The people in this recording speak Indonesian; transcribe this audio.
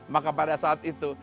maka pada saat itu